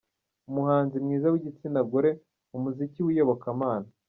Umuhanzi mwiza w’igitsina gore mu muziki w’Iyobokamana.